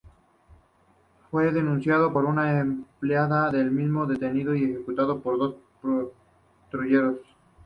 Fue denunciado por una empleada del mismo, detenido y ejecutado por unos patrulleros.